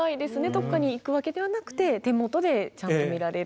どっかに行くわけではなくて手元でちゃんと見られる。